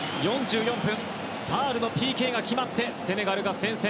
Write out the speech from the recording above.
４４分、サールのＰＫが決まってセネガル、先制。